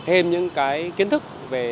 thêm những cái kiến thức về